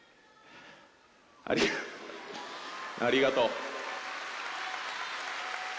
ありがとう。